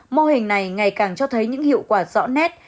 mô hình này ngày càng cho thấy những hiệu quả rõ nét